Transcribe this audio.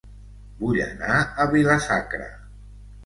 Vull anar a Vila-sacra